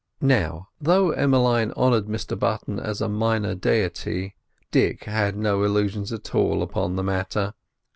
Now, though Emmeline honoured Mr Button as a minor deity, Dick had no illusions at all upon the matter.